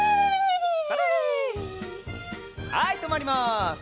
はいとまります。